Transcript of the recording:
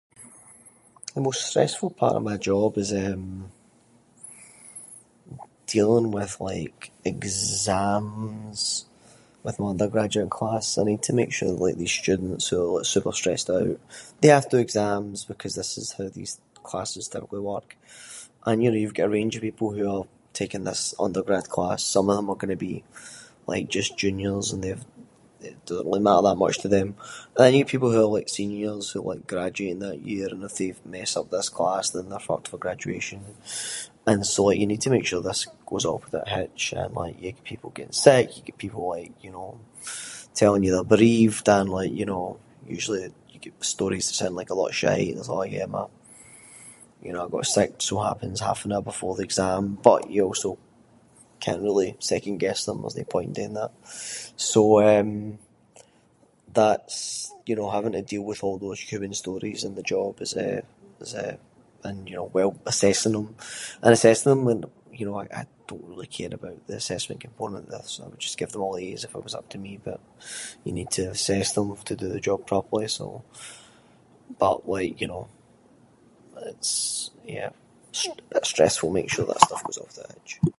The most stressful part of my job is dealing with like exams with my undergraduate class. I need to make sure that these students who are like super stressed out- they have to do exams because this is how these classes typically work. And you know, you’ve got a range of people who are taking this undergrad class, some of them are going to be like just juniors and they’ve- it doesn’t really matter that much to them. And then you’ve got people who are like seniors, who are like graduating that year and if they mess up this class then they’re fucked for graduation. And so like you need to make sure that this goes off without a hitch and like you get people get sick, you get people like you know, telling you they’re bereaved. And like you know, usually you get stories that sound like a lot of shite, there’s a lot of “yeah my- yeah I got sick, so happens half an hour before the exam”, but you also can’t really second guess them, there’s no point in doing that. So, eh, that’s you know, having to deal with all those human stories and the job is eh- is eh- and you know well assessing them. And assessing them when you know, I don’t really care about the assessment component of this, so I’d just give them all As if it was up to me. But you need to assess them to do the job properly, so. But like you know, it’s yeah, it’s stressful making sure that stuff goes off without a hitch.